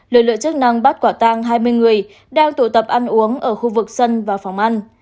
lực lượng chức năng bắt quả tang hai mươi người đang tụ tập ăn uống ở khu vực sân và phòng ăn